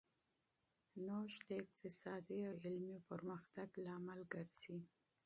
نوښت د اقتصادي او علمي پرمختګ لامل ګرځي.